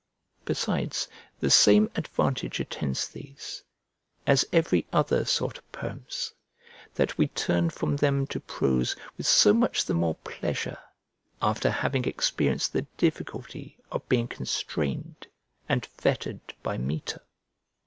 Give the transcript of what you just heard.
Besides, the same advantage attends these, as every other sort of poems, that we turn from them to prose with so much the more pleasure after having experienced the difficulty of being constrained and fettered by metre.